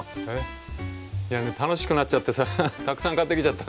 いやね楽しくなっちゃってさたくさん買ってきちゃった。